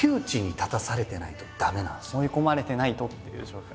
追い込まれてないとっていう状況。